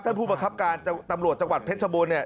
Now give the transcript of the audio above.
ท่านผู้บังคับการตำรวจจังหวัดเพชรชะบุญ